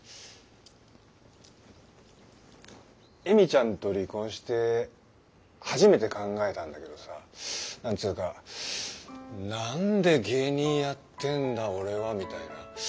恵美ちゃんと離婚して初めて考えたんだけどさ何つうか「なんで芸人やってんだ俺は」みたいな。